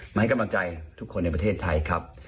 ให้กำลังใจทุกคนในประเทศไทยครับ